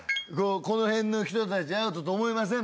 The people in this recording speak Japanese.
この辺の人達アウトと思いません？